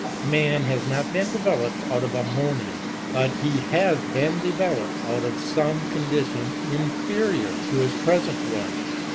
Man has not been developed out of a Monad, but he has been developed out of some condition inferior to his present one.